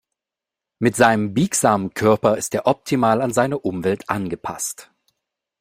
Mit seinem biegsamen Körper ist er optimal an seine Umwelt angepasst.